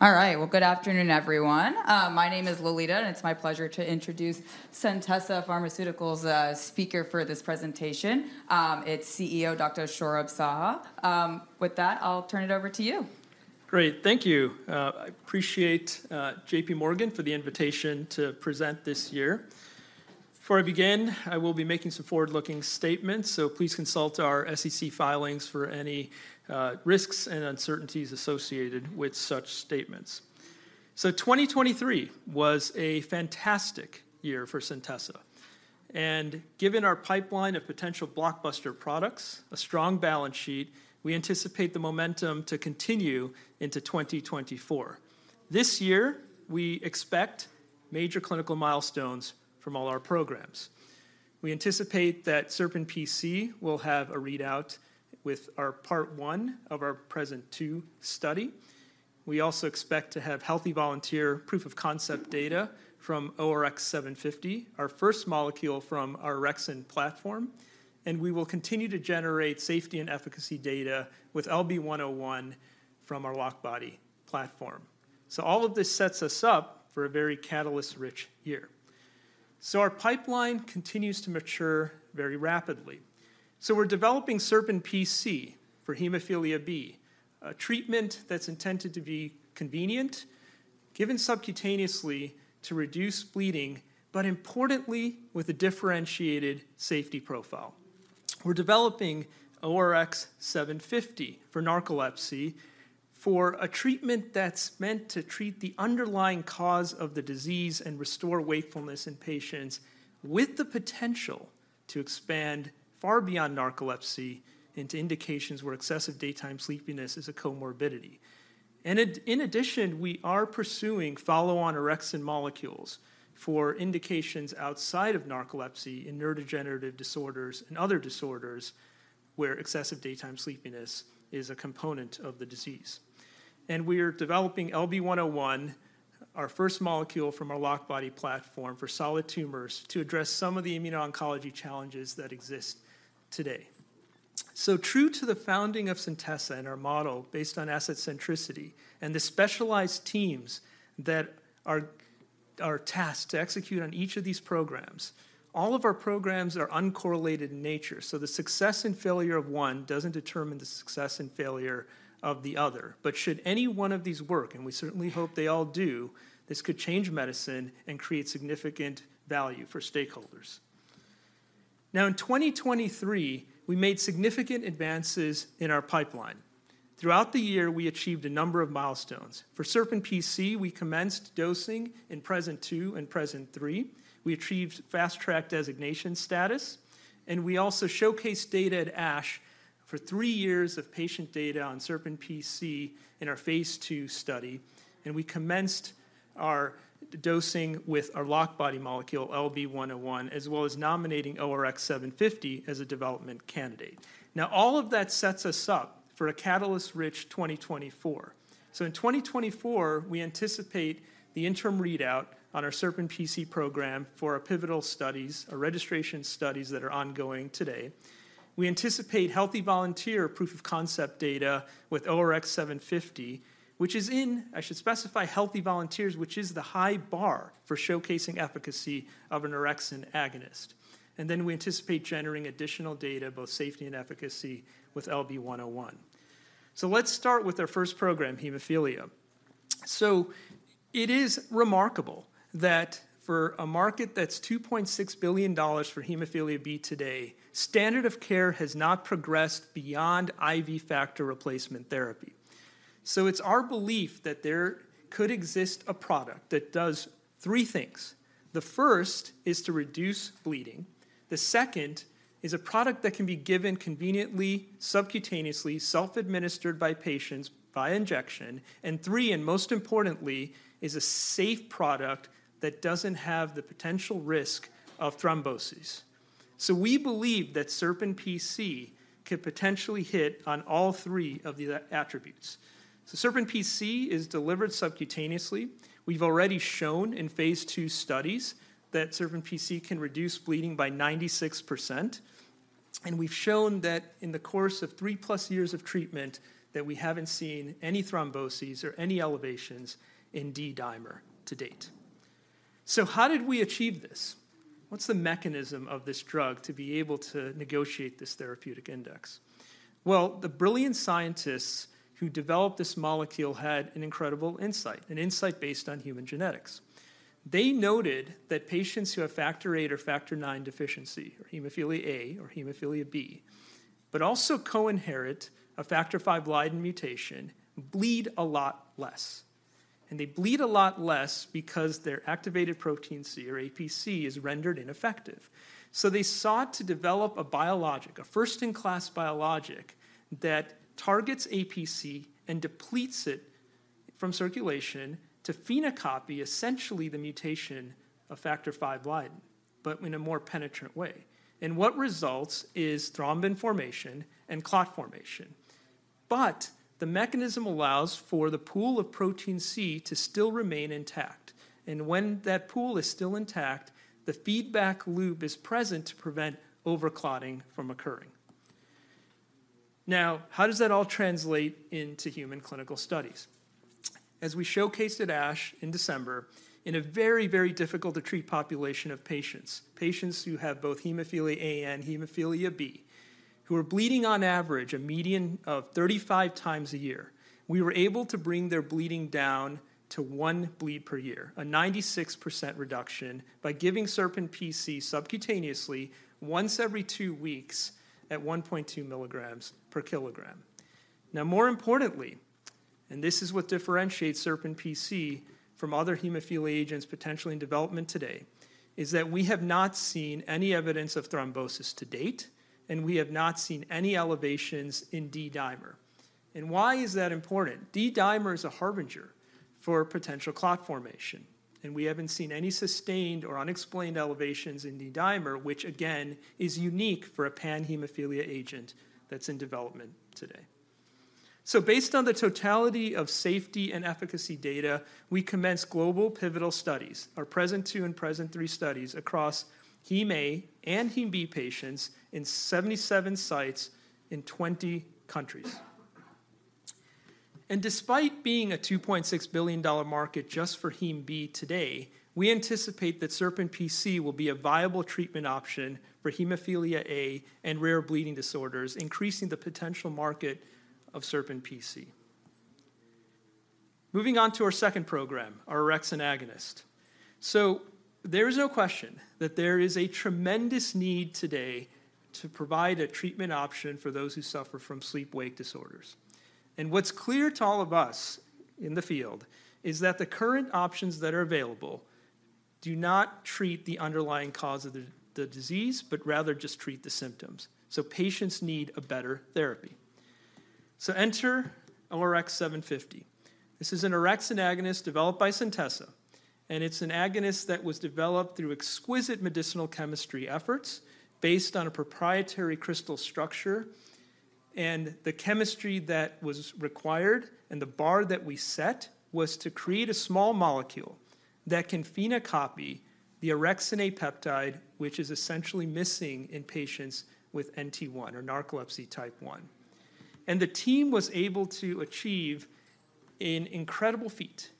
All right, well, good afternoon, everyone. My name is Lolita, and it's my pleasure to introduce Centessa Pharmaceuticals' speaker for this presentation. It's CEO, Dr. Saurabh Saha. With that, I'll turn it over to you. Great. Thank you. I appreciate J.P. Morgan for the invitation to present this year. Before I begin, I will be making some forward-looking statements, so please consult our SEC filings for any risks and uncertainties associated with such statements. 2023 was a fantastic year for Centessa, and given our pipeline of potential blockbuster products, a strong balance sheet, we anticipate the momentum to continue into 2024. This year, we expect major clinical milestones from all our programs. We anticipate that SerpinPC will have a readout with our part one of our PRESent-2 study. We also expect to have healthy volunteer proof of concept data from ORX750, our first molecule from our orexin platform, and we will continue to generate safety and efficacy data with LB101 from our LockBody platform. All of this sets us up for a very catalyst-rich year. So our pipeline continues to mature very rapidly. So we're developing SerpinPC for Hemophilia B, a treatment that's intended to be convenient, given subcutaneously to reduce bleeding, but importantly, with a differentiated safety profile. We're developing ORX750 for narcolepsy, for a treatment that's meant to treat the underlying cause of the disease and restore wakefulness in patients with the potential to expand far beyond narcolepsy into indications where excessive daytime sleepiness is a comorbidity. And in addition, we are pursuing follow-on Orexin molecules for indications outside of narcolepsy in neurodegenerative disorders and other disorders where excessive daytime sleepiness is a component of the disease. And we are developing LB101, our first molecule from our LockBody platform, for solid tumors to address some of the immuno-oncology challenges that exist today. So true to the founding of Centessa and our model based on asset centricity and the specialized teams that are tasked to execute on each of these programs, all of our programs are uncorrelated in nature, so the success and failure of one doesn't determine the success and failure of the other. But should any one of these work, and we certainly hope they all do, this could change medicine and create significant value for stakeholders. Now, in 2023, we made significant advances in our pipeline. Throughout the year, we achieved a number of milestones. For SerpinPC, we commenced dosing in PRESent-2 and PRESent-3. We achieved Fast Track designation status, and we also showcased data at ASH for three years of patient data on SerpinPC in our phase 2 study, and we commenced our dosing with our LockBody molecule, LB101, as well as nominating ORX750 as a development candidate. Now, all of that sets us up for a catalyst-rich 2024. So in 2024, we anticipate the interim readout on our SerpinPC program for our pivotal studies, our registration studies that are ongoing today. We anticipate healthy volunteer proof of concept data with ORX750, which is in, I should specify, healthy volunteers, which is the high bar for showcasing efficacy of an orexin agonist. And then we anticipate generating additional data, both safety and efficacy, with LB101. So let's start with our first program, hemophilia. So it is remarkable that for a market that's $2.6 billion for hemophilia B today, standard of care has not progressed beyond IV factor replacement therapy. So it's our belief that there could exist a product that does three things. The first is to reduce bleeding. The second is a product that can be given conveniently, subcutaneously, self-administered by patients via injection. And three, and most importantly, is a safe product that doesn't have the potential risk of thrombosis. So we believe that SerpinPC could potentially hit on all three of these attributes. So SerpinPC is delivered subcutaneously. We've already shown in phase 2 studies that SerpinPC can reduce bleeding by 96%, and we've shown that in the course of 3+ years of treatment, that we haven't seen any thrombosis or any elevations in D-dimer to date. So how did we achieve this? What's the mechanism of this drug to be able to negotiate this therapeutic index? Well, the brilliant scientists who developed this molecule had an incredible insight, an insight based on human genetics. They noted that patients who have Factor VIII or Factor IX deficiency, or Hemophilia A or Hemophilia B, but also co-inherit a Factor V Leiden mutation, bleed a lot less, and they bleed a lot less because their Activated Protein C, or APC, is rendered ineffective. So they sought to develop a biologic, a first-in-class biologic, that targets APC and depletes it from circulation to phenocopy essentially the mutation of Factor V Leiden, but in a more penetrant way. And what results is Thrombin formation and clot formation. But the mechanism allows for the pool of Protein C to still remain intact, and when that pool is still intact, the feedback loop is present to prevent overclotting from occurring. Now, how does that all translate into human clinical studies? As we showcased at ASH in December, in a very, very difficult to treat population of patients, patients who have both Hemophilia A and Hemophilia B, who are bleeding on average a median of 35 times a year, we were able to bring their bleeding down to one bleed per year, a 96% reduction, by giving SerpinPC subcutaneously once every two weeks at 1.2 mg/kg. Now, more importantly, and this is what differentiates SerpinPC from other hemophilia agents potentially in development today, is that we have not seen any evidence of thrombosis to date, and we have not seen any elevations in D-dimer. Why is that important? D-dimer is a harbinger for potential clot formation, and we haven't seen any sustained or unexplained elevations in D-dimer, which, again, is unique for a panhemophilia agent that's in development today. Based on the totality of safety and efficacy data, we commenced global pivotal studies, our PRESent-2 and PRESent-3 studies, across hem A and hem B patients in 77 sites in 20 countries. Despite being a $2.6 billion market just for hem B today, we anticipate that SerpinPC will be a viable treatment option for hemophilia A and rare bleeding disorders, increasing the potential market of SerpinPC. Moving on to our second program, our orexin agonist. So there is no question that there is a tremendous need today to provide a treatment option for those who suffer from sleep-wake disorders. What's clear to all of us in the field is that the current options that are available do not treat the underlying cause of the, the disease, but rather just treat the symptoms. So patients need a better therapy. So enter ORX750. This is an orexin agonist developed by Centessa, and it's an agonist that was developed through exquisite medicinal chemistry efforts based on a proprietary crystal structure. The chemistry that was required and the bar that we set was to create a small molecule that can phenocopy the orexin A peptide, which is essentially missing in patients with NT1 or Narcolepsy Type 1. The team was able to achieve an incredible feat.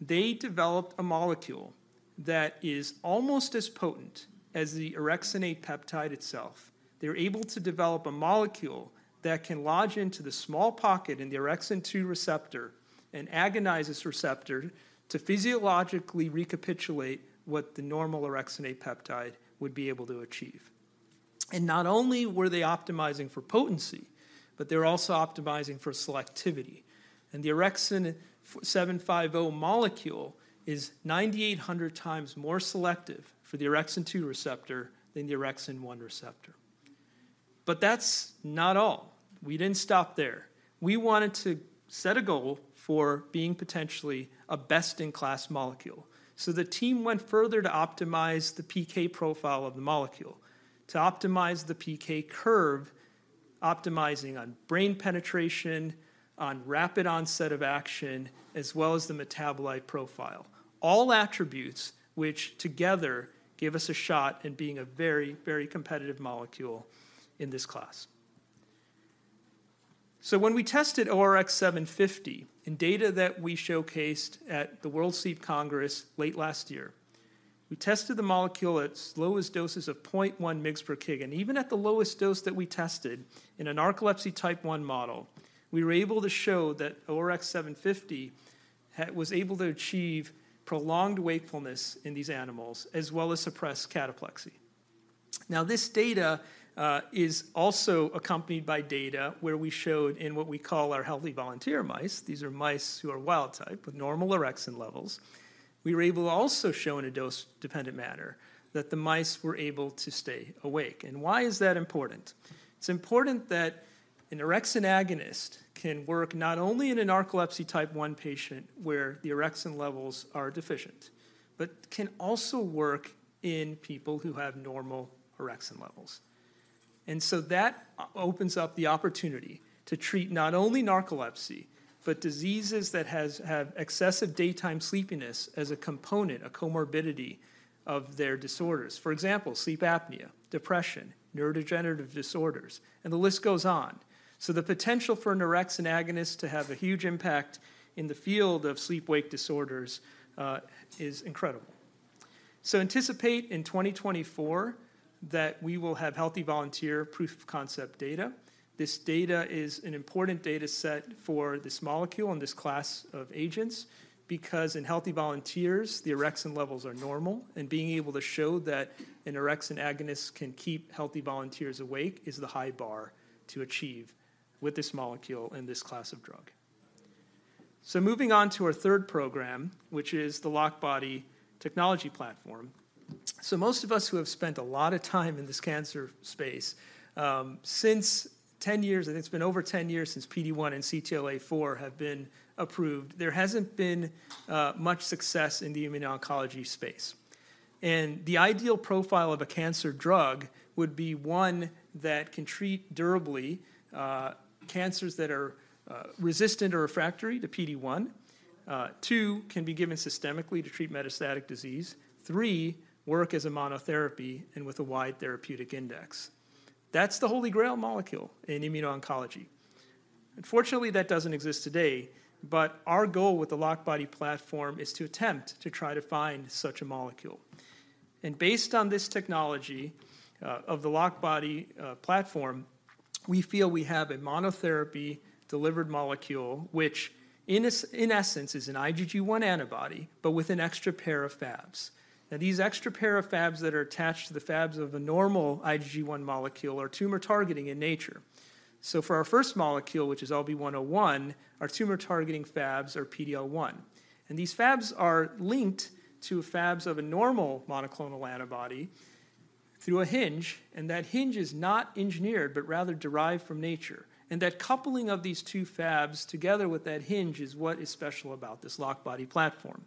They developed a molecule that is almost as potent as the Orexin A peptide itself. They were able to develop a molecule that can lodge into the small pocket in the orexin 2 receptor and agonize this receptor to physiologically recapitulate what the normal Orexin A peptide would be able to achieve. And not only were they optimizing for potency, but they're also optimizing for selectivity. And the ORX750 molecule is 9,800 times more selective for the orexin 2 receptor than the orexin 1 receptor. But that's not all. We didn't stop there. We wanted to set a goal for being potentially a best-in-class molecule. So the team went further to optimize the PK profile of the molecule, to optimize the PK curve, optimizing on brain penetration, on rapid onset of action, as well as the metabolite profile. All attributes which, together, give us a shot at being a very, very competitive molecule in this class. So when we tested ORX750 in data that we showcased at the World Sleep Congress late last year, we tested the molecule at its lowest doses of 0.1 mg/kg. Even at the lowest dose that we tested in a Narcolepsy Type 1 model, we were able to show that ORX750 was able to achieve prolonged wakefulness in these animals, as well as suppress cataplexy. Now, this data is also accompanied by data where we showed in what we call our healthy volunteer mice, these are mice who are wild type with normal orexin levels, we were able to also show in a dose-dependent manner that the mice were able to stay awake. And why is that important? It's important that an orexin agonist can work not only in a narcolepsy type one patient, where the orexin levels are deficient, but can also work in people who have normal orexin levels. And so that opens up the opportunity to treat not only narcolepsy, but diseases that have excessive daytime sleepiness as a component, a comorbidity of their disorders. For example, sleep apnea, depression, neurodegenerative disorders, and the list goes on. So the potential for an orexin agonist to have a huge impact in the field of sleep-wake disorders is incredible. So anticipate in 2024 that we will have healthy volunteer proof of concept data. This data is an important data set for this molecule and this class of agents, because in healthy volunteers, the orexin levels are normal. And being able to show that an orexin agonist can keep healthy volunteers awake is the high bar to achieve with this molecule and this class of drug. So moving on to our third program, which is the LockBody technology platform. So most of us who have spent a lot of time in this cancer space, since 10 years, and it's been over 10 years since PD-1 and CTLA-4 have been approved, there hasn't been much success in the immuno-oncology space. The ideal profile of a cancer drug would be one that can treat durably, cancers that are, resistant or refractory to PD-1. Two, can be given systemically to treat metastatic disease. Three, work as a monotherapy and with a wide therapeutic index. That's the holy grail molecule in immuno-oncology. Unfortunately, that doesn't exist today, but our goal with the LockBody platform is to attempt to try to find such a molecule. And based on this technology, of the LockBody platform, we feel we have a monotherapy-delivered molecule, which in essence, is an IgG1 antibody, but with an extra pair of Fabs. Now, these extra pair of Fabs that are attached to the Fabs of a normal IgG1 molecule are tumor-targeting in nature. So for our first molecule, which is LB101, our tumor-targeting Fabs are PD-L1. These Fabs are linked to Fabs of a normal monoclonal antibody through a hinge, and that hinge is not engineered, but rather derived from nature. That coupling of these two Fabs together with that hinge is what is special about this LockBody platform.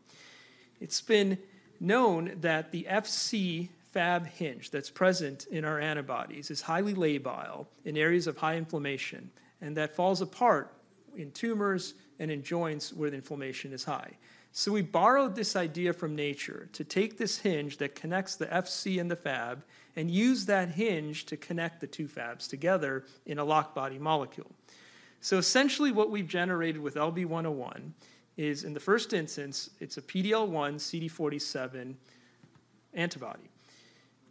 It's been known that the Fc Fab hinge that's present in our antibodies is highly labile in areas of high inflammation, and that falls apart in tumors and in joints where the inflammation is high. We borrowed this idea from nature to take this hinge that connects the Fc and the Fab and use that hinge to connect the two Fabs together in a LockBody molecule. Essentially, what we've generated with LB101 is, in the first instance, it's a PD-L1 CD47 antibody.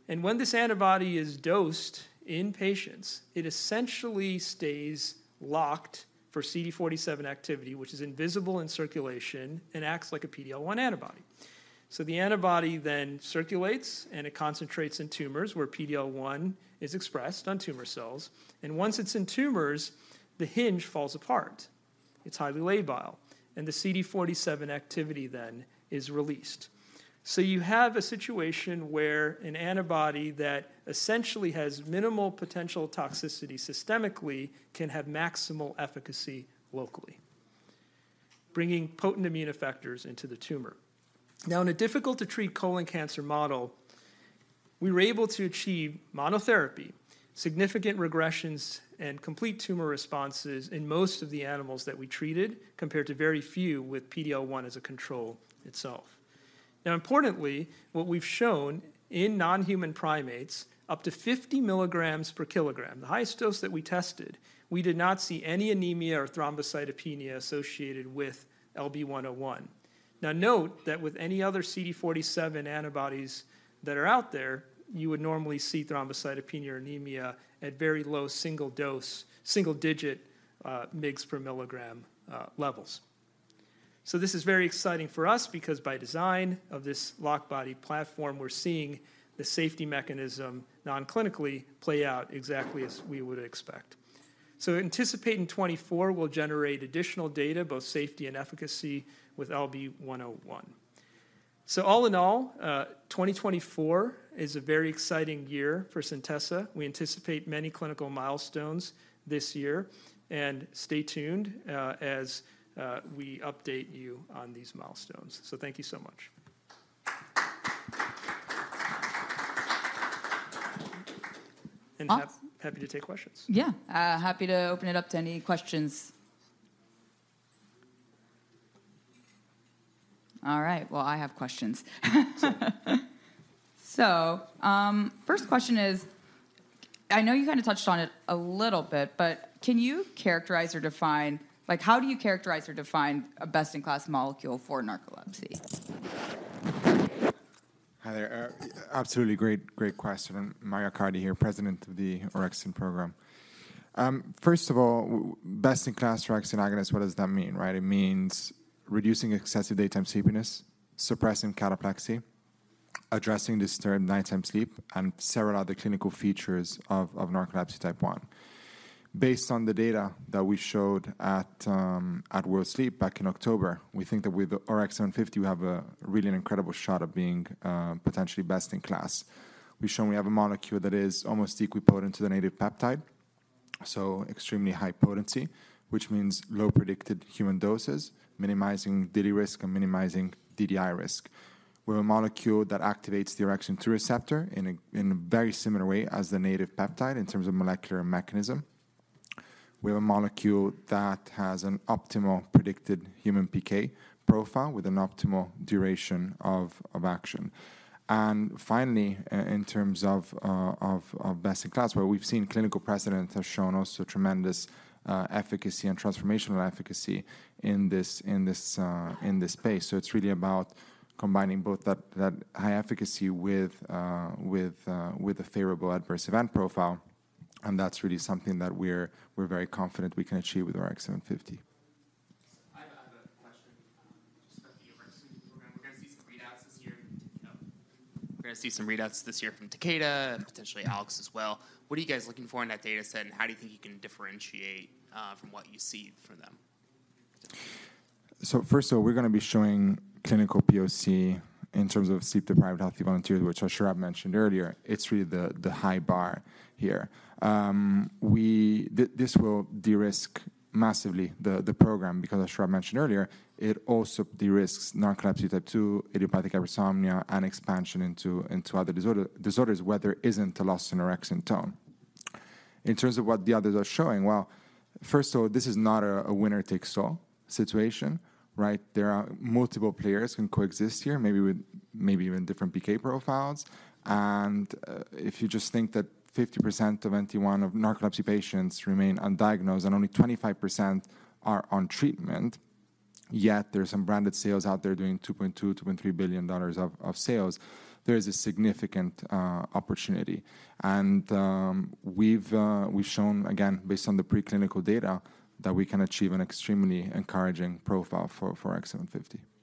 When this antibody is dosed in patients, it essentially stays locked for CD47 activity, which is invisible in circulation and acts like a PD-L1 antibody. The antibody then circulates, and it concentrates in tumors where PD-L1 is expressed on tumor cells, and once it's in tumors, the hinge falls apart. It's highly labile, and the CD47 activity then is released. You have a situation where an antibody that essentially has minimal potential toxicity systemically can have maximal efficacy locally, bringing potent immune effectors into the tumor. Now, in a difficult-to-treat colon cancer model, we were able to achieve monotherapy, significant regressions, and complete tumor responses in most of the animals that we treated, compared to very few with PD-L1 as a control itself. Now, importantly, what we've shown in non-human primates, up to 50 mg/kg, the highest dose that we tested, we did not see any anemia or thrombocytopenia associated with LB101. Now, note that with any other CD47 antibodies that are out there, you would normally see thrombocytopenia or anemia at very low single-dose, single-digit mg/kg levels. So this is very exciting for us because by design of this LockBody platform, we're seeing the safety mechanism non-clinically play out exactly as we would expect. So anticipating 2024, we'll generate additional data, both safety and efficacy, with LB101. So all in all, 2024 is a very exciting year for Centessa. We anticipate many clinical milestones this year, and stay tuned as we update you on these milestones. So thank you so much. And I'm happy to take questions. Yeah. Happy to open it up to any questions. All right, well, I have questions. Sure. First question is, I know you kinda touched on it a little bit, but can you characterize or define, like, how do you characterize or define a best-in-class molecule for narcolepsy? Hi there. Absolutely, great, great question. Mario Accardi here, President of the Orexin program. First of all, best in class orexin agonist, what does that mean, right? It means reducing excessive daytime sleepiness, suppressing cataplexy, addressing disturbed nighttime sleep, and several other clinical features of narcolepsy type 1. Based on the data that we showed at World Sleep back in October, we think that with ORX750, we have a really an incredible shot of being potentially best in class. We've shown we have a molecule that is almost equipotent to the native peptide, so extremely high potency, which means low predicted human doses, minimizing DDI risk and minimizing DDI risk. We have a molecule that activates the orexin-2 receptor in a very similar way as the native peptide in terms of molecular mechanism. We have a molecule that has an optimal predicted human PK profile with an optimal duration of action. And finally, in terms of best in class, where we've seen clinical precedents have shown also tremendous efficacy and transformational efficacy in this space. So it's really about combining both that high efficacy with a favorable adverse event profile, and that's really something that we're very confident we can achieve with ORX750. I have, I have a question, just about the orexin program. We're gonna see some readouts this year from Takeda. We're gonna see some readouts this year from Takeda, potentially Alex as well. What are you guys looking for in that data set, and how do you think you can differentiate from what you see from them? So first of all, we're gonna be showing clinical POC in terms of sleep-deprived healthy volunteers, which Saurabh mentioned earlier. It's really the high bar here. This will de-risk massively the program, because as Saurabh mentioned earlier, it also de-risks Narcolepsy Type 2, Idiopathic Hypersomnia, and expansion into other disorders where there isn't a loss in orexin tone. In terms of what the others are showing, well, first of all, this is not a winner-takes-all situation, right? There are multiple players can coexist here, maybe with, maybe even different PK profiles. And if you just think that 50% of NT1 narcolepsy patients remain undiagnosed and only 25% are on treatment, yet there are some branded sales out there doing $2.2 to $2.3 billion of sales, there is a significant opportunity. We've shown, again, based on the preclinical data, that we can achieve an extremely encouraging profile for ORX750. Any other questions? All right. Well, then I guess this concludes our presentation, and thank you all for joining us.